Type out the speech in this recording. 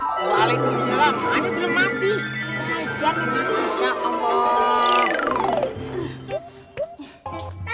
waalaikumsalam aneh belum mati